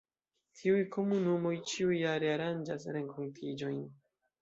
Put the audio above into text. Tiuj komunumoj ĉiujare aranĝas renkontiĝojn.